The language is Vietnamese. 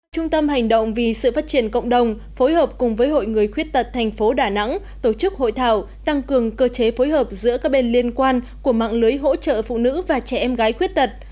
trung tâm hành động vì sự phát triển cộng đồng phối hợp cùng với hội người khuyết tật thành phố đà nẵng tổ chức hội thảo tăng cường cơ chế phối hợp giữa các bên liên quan của mạng lưới hỗ trợ phụ nữ và trẻ em gái khuyết tật